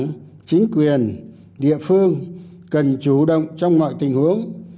các cấp ủy đảng chính quyền địa phương cần chủ động trong mọi tình huống